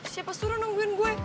siapa suruh nungguin gue